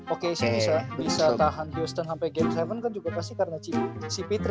oke sih bisa bisa tahan houston sampe game tujuh kan juga pasti karena cp tiga kan